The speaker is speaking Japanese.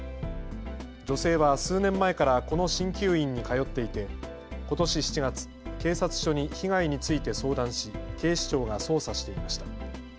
女性は数年前からこのしんきゅう院に通っていてことし７月、警察署に被害について相談し警視庁が捜査していました。